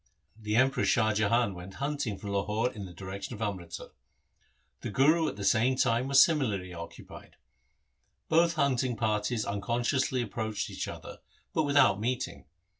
The Emperor Shah Jahan went hunting from Lahore in the direction of Amritsar. The Guru at the same time was similarly occupied. Both hunting parties unconsc ously approached each other, but without meeting.